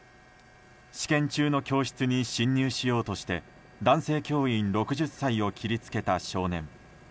試験中の教室に侵入しようとして男性教員６０歳を切り付けた少年。